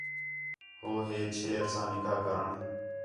ہو ہے ہے چھیر ساں نکاح کرݨ